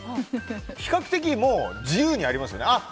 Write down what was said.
比較的もう自由にやりますね。